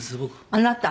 あなた？